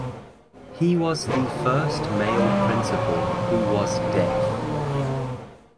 He was the first male principal who was deaf.